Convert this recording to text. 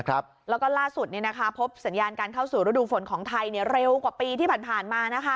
แล้วก็ล่าสุดพบสัญญาณการเข้าสู่ฤดูฝนของไทยเร็วกว่าปีที่ผ่านมานะคะ